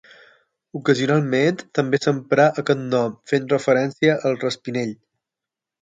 Ocasionalment també s'emprà aquest nom, fent referència al raspinell.